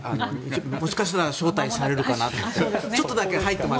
もしかしたら招待されるかなと。